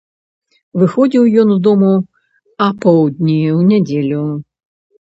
Выходзіў ён з дому апаўдні ў нядзелю.